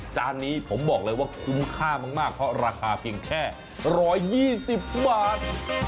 จานนี้ผมบอกเลยว่าคุ้มค่ามากเพราะราคาเพียงแค่๑๒๐บาท